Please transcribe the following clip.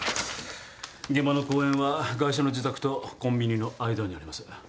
現場の公園はガイシャの自宅とコンビニの間にあります。